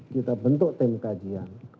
kita bentuk tim kajian